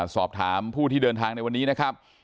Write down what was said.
สอบถามผู้ที่เดินทางในวันนี้นะครับ